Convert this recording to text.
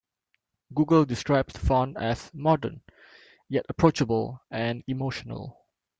Google describes the font as "modern, yet approachable" and "emotional".